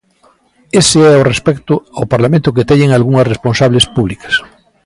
Ese é o respecto ao Parlamento que teñen algunhas responsables públicas.